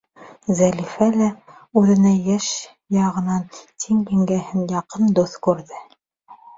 Зәлифә лә үҙенә йәш яғынан тиң еңгәһен яҡын дуҫ күрҙе.